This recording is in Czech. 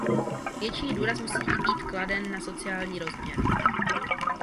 Větší důraz musí být kladen na sociální rozměr.